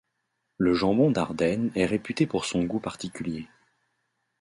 Le jambon d'Ardenne est réputé pour son gout particulier.